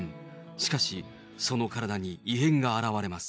しかし、その体に異変が現れます。